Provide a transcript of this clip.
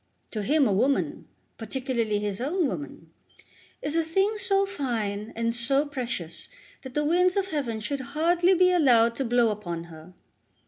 To him a woman, particularly his own woman, is a thing so fine and so precious that the winds of heaven should hardly be allowed to blow upon her.